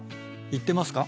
行ってますか？